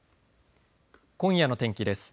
今夜の天気です。